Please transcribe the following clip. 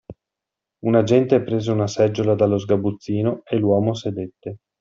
Un agente prese una seggiola dallo sgabuzzino e l’uomo sedette.